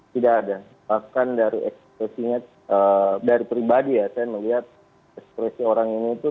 tidak ada bahkan dari ekspresinya dari pribadi ya saya melihat ekspresi orang ini itu